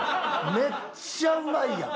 めっちゃうまいやん。